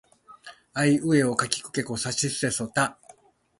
あいうえおかきくけこさしすせそた